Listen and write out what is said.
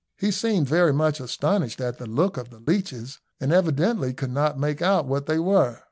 He seemed very much astonished at the look of the leeches, and evidently could not make out what they were.